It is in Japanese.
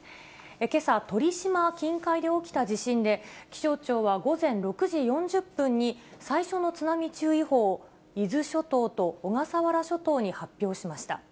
けさ、鳥島近海で起きた地震で、気象庁は午前６時４０分に最初の津波注意報を伊豆諸島と小笠原諸島に発表しました。